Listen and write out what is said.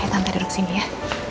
ayo tante duduk sini ya